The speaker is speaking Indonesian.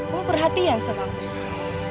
kamu perhatian sama aku